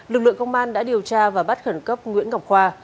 lực lượng công an đã điều tra và bắt khẩn cấp nguyễn ngọc khoa